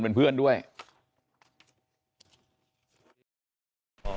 แฟนนิกส์